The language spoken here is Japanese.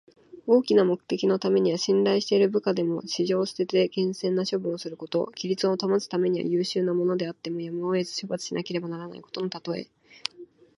大きな目的のためには信頼している部下でも、私情を捨てて、厳正な処分をすること。規律を保つためには、優秀な者であってもやむを得ず処罰しなければならないことのたとえ。「馬謖」は中国の三国時代の人の名前。「泣いて馬謖を斬る」とも読み、この形で使うことが多い言葉。